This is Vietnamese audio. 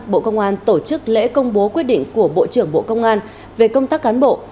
bộ công an tổ chức lễ công bố quyết định của bộ trưởng bộ công an về công tác cán bộ